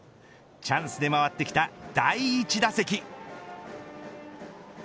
チャンスで回ってきた第１打席。